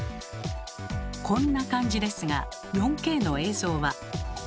こんな感じですが４Ｋの映像は。